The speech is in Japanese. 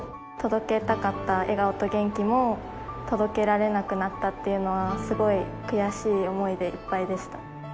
届けたかった笑顔と元気も届けられなくなったっていうのは、すごい悔しい思いでいっぱいでした。